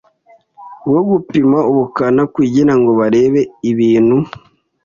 bwo gupima ubukana kugirango barebe ibintu